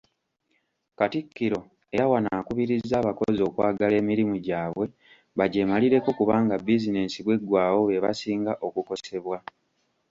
Katikkiro era wano akubirizza abakozi okwagala emirimu gyabwe, bagyemalireko kubanga bizinesi bw'eggwawo bebasinga okukosebwa.